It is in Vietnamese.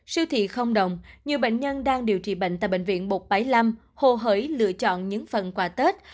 siêu thị không đồng nhiều bệnh nhân đang điều trị bệnh tại bệnh viện một trăm bảy mươi năm hồ hời lựa chọn những phần quà tết